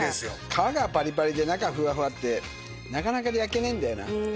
皮がぱりぱりで中ふわふわってなかなか焼けないんだよな。